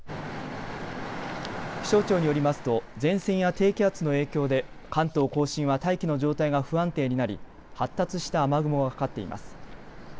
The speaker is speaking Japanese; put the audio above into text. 気象庁によりますと前線や低気圧の影響で関東甲信は大気の状態が不安定になり発達した雨雲がかかっています。